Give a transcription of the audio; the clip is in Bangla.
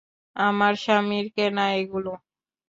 আমার স্বামীর কেনা এগুলো।